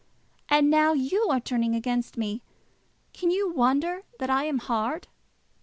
And now you are turning against me? Can you wonder that I am hard?"